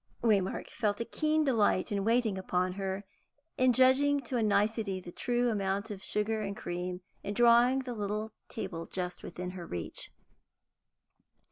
Waymark felt a keen delight in waiting upon her, in judging to a nicety the true amount of sugar and cream, in drawing the little table just within her reach.